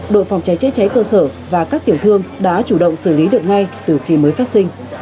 đội phòng cháy chữa cháy cơ sở và các tiểu thương đã chủ động xử lý được ngay từ khi mới phát sinh